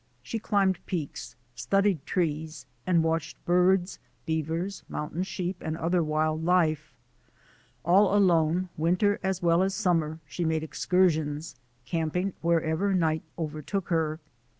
She climbed peaks, studied trees, and watched birds, beavers, mountain sheep, and other wild life. All alone, winter as well as sum mer, she made excursions, camping wherever night overtook her.